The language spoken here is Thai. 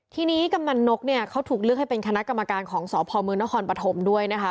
ทีนี้กำนันนกเนี่ยเขาถูกเลือกให้เป็นคณะกรรมการของสพมนครปฐมด้วยนะคะ